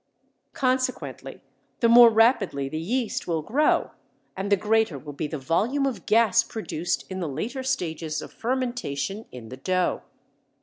Consequently the more rapidly the yeast will grow, and the greater will be the volume of gas produced in the later stages of fermentation in the dough.